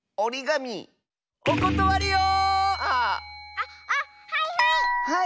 あっあはいはい！